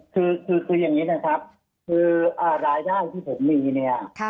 คือคืออย่างนี้นะครับคือรายได้ที่ผมมีเนี่ย